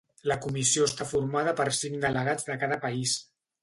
La Comissió està formada per cinc delegats de cada país.